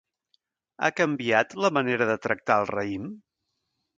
Ha canviat la manera de tractar el raïm?